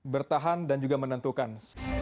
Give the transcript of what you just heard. bertahan dan juga menentukan